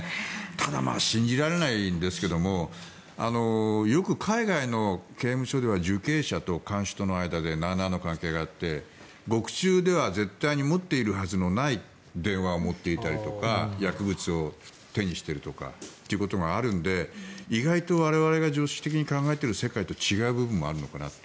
ただ、信じられないんですけどもよく海外の刑務所では受刑者と看守との間でなあなあの関係があって獄中では絶対に持っているはずのない電話を持っていたりとか薬物を手にしているということがあるので意外と我々が常識的に考えている世界と違う部分もあるのかなと。